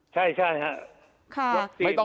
ใช่ครับ